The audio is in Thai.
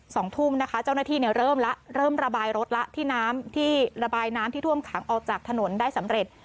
สองทุ่มนะคะเจ้าหน้าที่เนี่ยเริ่มแล้วเริ่มระบายรถแล้วที่น้ำที่ระบายน้ำที่ท่วมขังออกจากถนนได้สำเร็จ